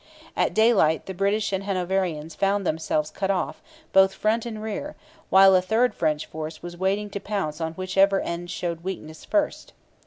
At daylight the British and Hanoverians found themselves cut off, both front and rear, while a third French force was waiting to pounce on whichever end showed weakness first.